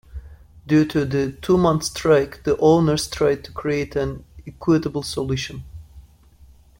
Due to the two-month strike, the owners tried to create an equitable solution.